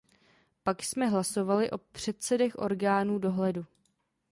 Pak jsme hlasovali o předsedech orgánů dohledu.